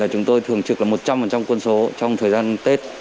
chúng tôi thường trực một trăm linh quân số trong thời gian tết